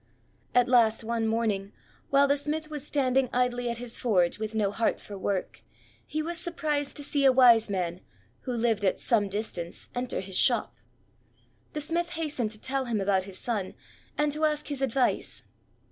At last one morning, while the smith was standing idly at his forge, with no heart for work, he was surprised to see a Wise man, who lived at some distance, enter his shop. The smith hastened to tell him about his son, and to ask his advice.